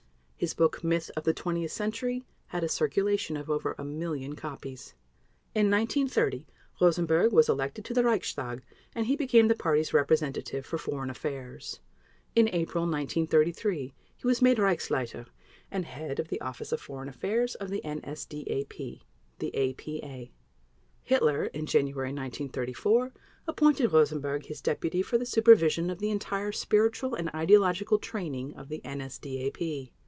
His book, Myth of the Twentieth Century, had a circulation of over a million copies. In 1930 Rosenberg was elected to the Reichstag and he became the Party's representative for Foreign Affairs. In April 1933 he was made Reichsleiter and head of the Office of Foreign Affairs of the NSDAP (the APA). Hitler, in January 1934, appointed Rosenberg his deputy for the supervision of the entire spiritual and ideological training of the NSDAP.